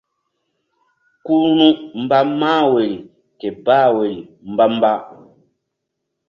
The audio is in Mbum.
Ku ru̧ mba mah woyri ke bah woyri mba-mba.